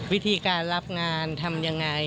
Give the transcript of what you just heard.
วิธีการรับงานทำยังไง